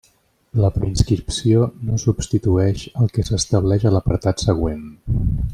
La preinscripció no substituïx el que s'establix en l'apartat següent.